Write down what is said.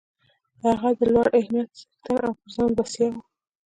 هغه د لوړ همت څښتن او پر ځان بسیا و